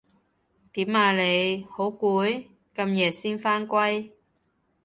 點啊你？好攰？咁夜先返歸